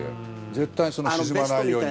絶対、沈まないように。